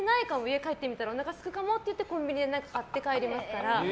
帰ってからおなかすくかもってコンビニで何か買って帰りますから。